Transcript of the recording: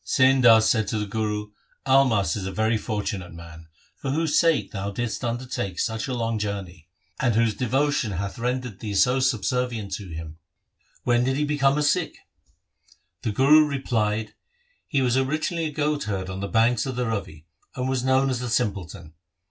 Sain Das said to the Guru, ' Almast is a very fortunate man, for whose sake thou didst undertake such a long journey, and whose devotion hath LIFE OF GURU HAR GOBIND 55 rendered thee so subservient to him. When did he become a Sikh ?' The Guru replied, ' He was originally a goat herd on the banks of the Ravi, and was known as "The simpleton".